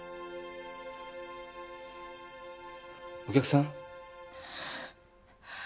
お客さん？